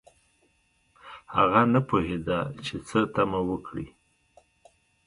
هغه نه پوهیده چې څه تمه وکړي